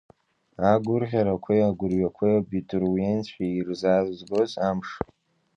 Агәырӷьарақәеи агәырҩақәеи абитуриентцәа ирзазгоз амш.